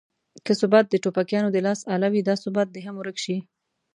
که ثبات د ټوپکیانو د لاس اله وي دا ثبات دې هم ورک شي.